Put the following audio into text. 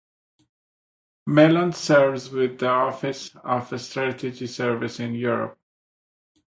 Mellon served with the Office of Strategic Services in Europe.